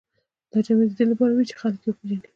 دا جامې د دې لپاره وې چې خلک یې وپېژني.